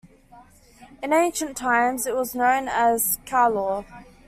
In ancient times it was known as Calor.